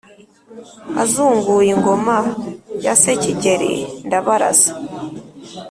azunguye ingoma ya se Kigeli Ndabarasa.